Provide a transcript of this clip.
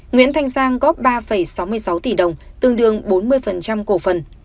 nguyễn thanh giang góp ba sáu mươi sáu tỷ đồng tương đương bốn mươi cổ phần